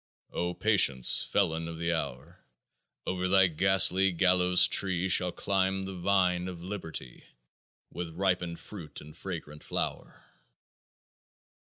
"O, patience, felon of the hour! Over thy ghastly gallows tree Shall climb the vine of Liberty, With ripened fruit and fragrant flower."